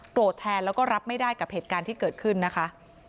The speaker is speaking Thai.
แทนแล้วก็รับไม่ได้กับเหตุการณ์ที่เกิดขึ้นนะคะ